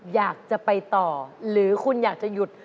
อยากจะไปต่อหรือคุณอยากจะหยุด